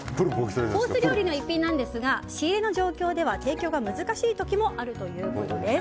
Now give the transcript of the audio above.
コース料理の１品なんですが仕入れの状況によっては提供が難しいこともあるということです。